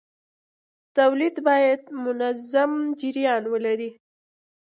تولید باید منظم جریان ولري.